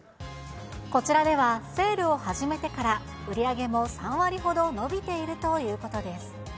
こちらではセールを始めてから売り上げも３割ほど伸びているということです。